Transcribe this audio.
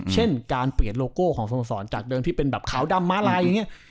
เช่นการเปลี่ยนโลโก้ของสโมสรจากเดิมที่เป็นแบบขาวดำมาลายอย่างนี้